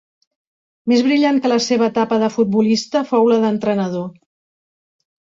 Més brillant que la seva etapa de futbolista fou la d'entrenador.